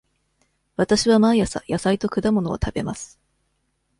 わたしは毎朝野菜と果物を食べます。